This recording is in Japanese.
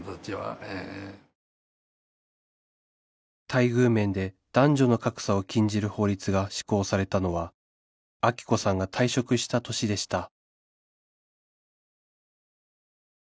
待遇面で男女の格差を禁じる法律が施行されたのはアキ子さんが退職した年でした